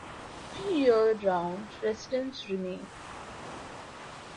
Few year round residents remain.